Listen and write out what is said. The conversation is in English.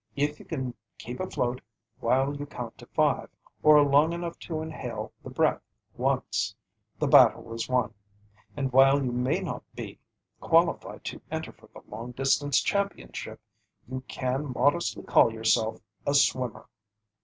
If you can keep afloat while you count five, or long enough to inhale the breath once, the battle is won; and while you may not be qualified to enter for the long distance championship, you can modestly call yourself "a swimmer."